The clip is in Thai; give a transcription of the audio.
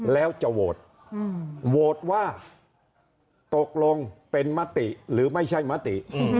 แล้วจะโหวตโหวตว่าตกลงเป็นมติหรือไม่ใช่มติ